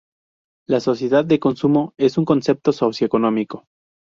La sociedad de consumo es un concepto socioeconómico.